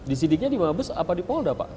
disidiknya di mabes apa di polda pak